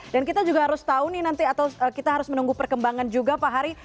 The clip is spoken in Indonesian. dan kita juga harus tahu nih nanti atau kita harus menunggu perkembangan juga pak hari